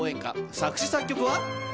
作詞作曲は？